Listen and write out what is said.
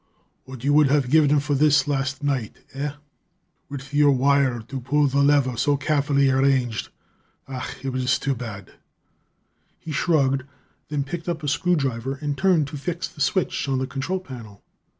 "What you would have given for this last night, eh? With your wire to pull the lever so carefully arranged! Ach, it was too bad!" He shrugged, then picked up a screwdriver and turned to fix the switch on the control panel.